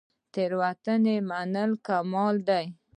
تیروتنه منل کمال دی